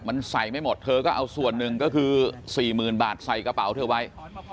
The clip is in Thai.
มันใส่ไม่หมดเธอก็เอาส่วนหนึ่งก็คือ๔๐๐๐บาทใส่กระเป๋าเธอไว้